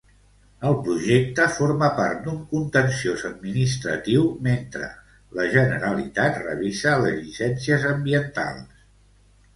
El projecte forma part d'un contenciós administratiu mentre la Generalitat revisa les llicències ambientals.